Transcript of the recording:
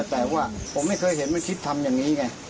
แต่ว่าผมไม่เคยเห็นมันคิดทำอย่างนี้ไง